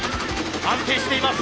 安定しています。